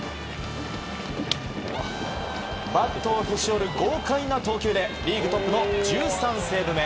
バットをへし折る豪快な投球でリーグトップの１３セーブ目。